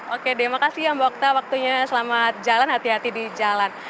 oke terima kasih ya mbak okta waktunya selamat jalan hati hati di jalan